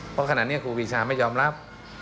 เพราะขนาดเนี้ยครูปรีชายอมรับ